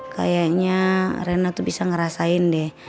kayaknya rena tuh bisa ngerasain deh